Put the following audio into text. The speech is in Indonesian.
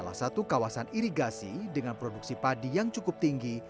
salah satu kawasan irigasi dengan produksi padi yang cukup tinggi